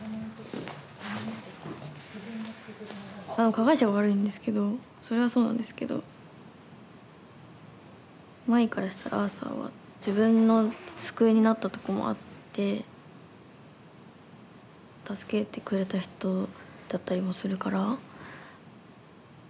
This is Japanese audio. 加害者が悪いんですけどそれはそうなんですけどまいからしたらアーサーは自分の救いになったとこもあって助けてくれた人だったりもするから。